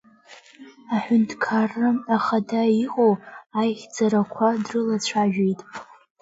Аҳәынҭқарра Ахада иҟоу аихьӡарақәа дрылацәажәеит.